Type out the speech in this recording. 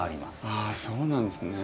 あそうなんですね。